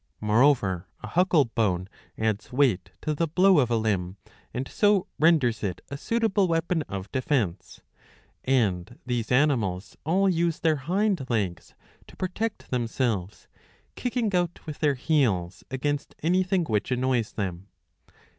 Moreover a huckle bone adds weight to the blow of a limb, and so renders it a .suitable weapon of defence; 'and these animals all use their hind legs to protect themselves, kicking out with their heels against anything, which annoys them.